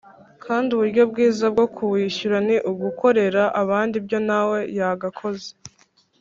kandi uburyo bwiza bwo kuwishyura ni ugukorera abandi ibyo na we yagakoze